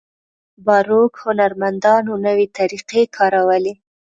باروک هنرمندانو نوې طریقې کارولې.